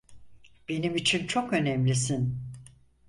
Benim için çok önemlisin.